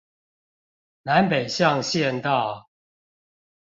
南北向縣道